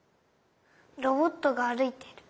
ロボットがあるいてる。